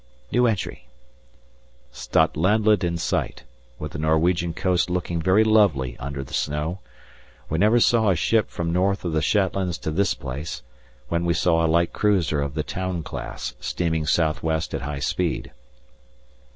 Statlandlet in sight, with the Norwegian coast looking very lovely under the snow we never saw a ship from north of the Shetlands to this place, when we saw a light cruiser of the town class steaming south west at high speed.